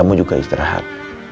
kamu juga istirahat